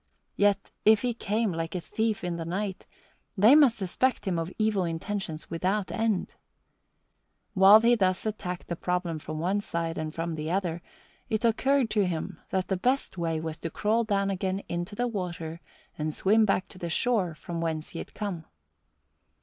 Yet if he came like a thief in the night, they must suspect him of evil intentions without end. While he thus attacked the problem from one side and from the other, it occurred to him that the best way was to crawl down again into the water and swim back to the shore from whence he had come.